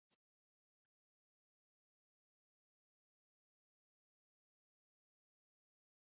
Der keamer koe tsjinje as pronkkeamer, skriuwkeamer of as bêste sliepkeamer.